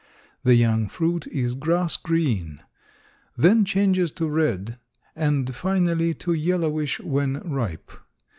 The young fruit is grass green, then changes to red and finally to yellowish when ripe.